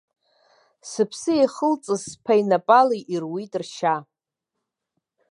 Сыԥс иахылҵыз сԥа инапала ируит ршьа!